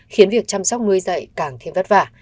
khiến việc chăm sóc nuôi dạy càng thêm vất vả